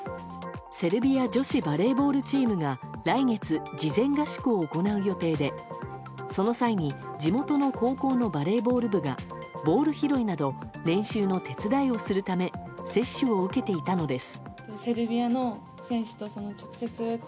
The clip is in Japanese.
セルビア女子バレーボールチームが来月、事前合宿を行う予定でその際に、地元の高校のバレーボール部がボール拾いなど練習の手伝いをするため接種を受けていたのです。